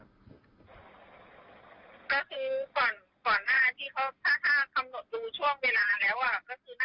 ก็คือก่อนนาทีเขาคำถูกช่วงเวลาแล้ว